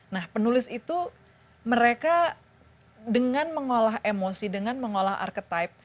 nah penulis itu mereka dengan mengolah emosi dengan mengolah arketipe